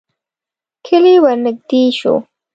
کلی ورنږدې شو.